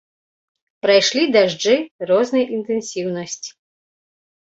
Прайшлі дажджы рознай інтэнсіўнасці.